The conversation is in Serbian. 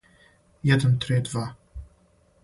један три два